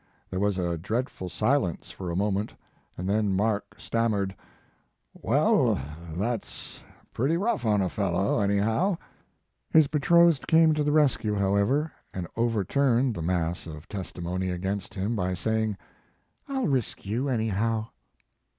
There was a dreadful silence for a moment, and then Mark stammered: " Well, that s pretty rough on a fellow, anyhow? " His betrothed came to the rescue how ever, and overturned the mass of testi io6 Mark Twain mony against him by saying, Til risk you, anyhow."